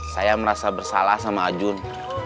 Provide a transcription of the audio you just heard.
saya merasa bersalah sama ajun